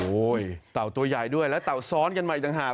โอ้โหเต่าตัวใหญ่ด้วยแล้วเต่าซ้อนกันมาอีกต่างหาก